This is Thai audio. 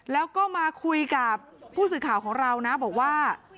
แล้วก็มาคุยกับผู้สื่อข่าวของเรานะบอกว่า